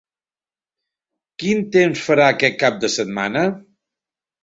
Quin temps farà aquest cap de setmana?